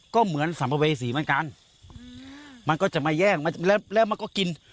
ก็เหมือนสัมภเวษีเหมือนกันมันก็จะมาแย่งแล้วแล้วมันก็กิน